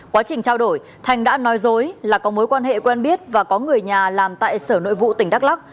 quá trình trao đổi thành đã nói dối là có mối quan hệ quen biết và có người nhà làm tại sở nội vụ tỉnh đắk lắc